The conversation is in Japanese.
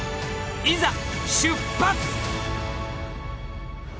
いざ出発！